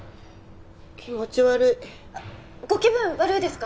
気持ち悪いあっご気分悪いですか？